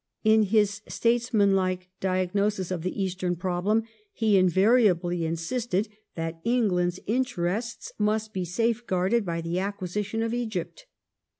In his statesmanlike diagnosis of the Eastern problem he invariably insisted that Eng land's interests must be safeguarded by the acquisition of Egypt.